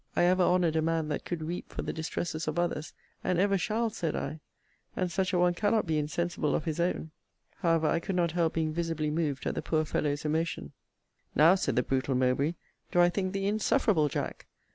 I ever honoured a man that could weep for the distresses of others; and ever shall, said I; and such a one cannot be insensible of his own. However, I could not help being visibly moved at the poor fellow's emotion. Now, said the brutal Mowbray, do I think thee insufferable, Jack.